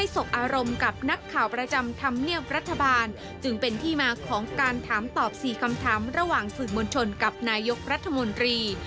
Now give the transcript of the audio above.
สื่อมวลชนกับนายยกรัฐมนตรี